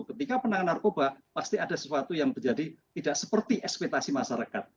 ketika penanganan narkoba pasti ada sesuatu yang menjadi tidak seperti ekspetasi masyarakat